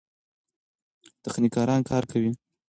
تخنیکران کار کوي.